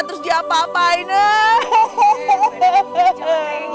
terus dia apa apain ya